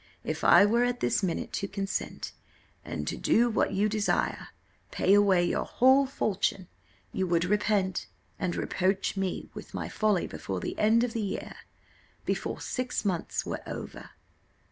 If I were at this minute to consent, and to do what you desire pay away your whole fortune, you would repent, and reproach me with my folly before the end of the year before six months were over."